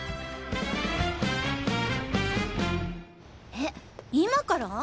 え今から？